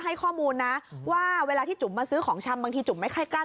ไม่ต้องมีใจเชื่อที่ไม่เอาคุณข้าวเงินจีนเลย